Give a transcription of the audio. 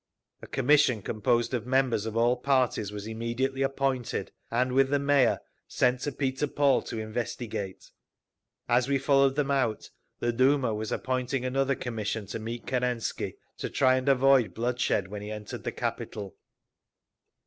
A commission composed of members of all parties was immediately appointed, and with the Mayor, sent to Peter Paul to investigate. As we followed them out, the Duma was appointing another commission to meet Kerensky—to try and avoid bloodshed when he entered the capital….